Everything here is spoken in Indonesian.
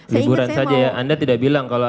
liburan saja ya anda tidak bilang kalau